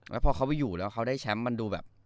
แล้วพอเขาไปอยู่แล้วเขาได้แชมป์มันดูแบบ